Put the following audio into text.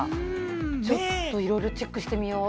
ちょっと、いろいろチェックしてみよう。